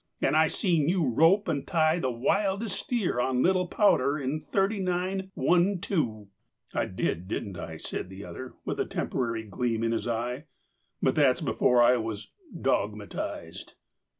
And I seen you rope and tie the wildest steer on Little Powder in 39 1 2." "I did, didn't I?" said the other, with a temporary gleam in his eye. "But that was before I was dogmatized."